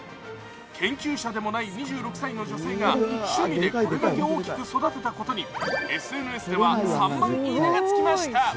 研究者でもない２６歳の女性が趣味でこれだけ大きく育てたことにＳＮＳでは３万いいねが付きました。